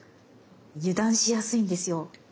油断しやすいんですよ。